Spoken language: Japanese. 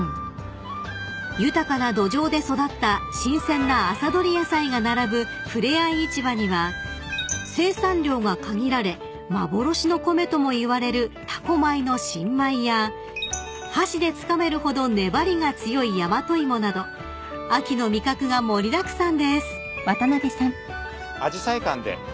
［豊かな土壌で育った新鮮な朝採り野菜が並ぶふれあい市場には生産量が限られ幻の米ともいわれる多古米の新米や箸でつかめるほど粘りが強いヤマトイモなど秋の味覚が盛りだくさんです］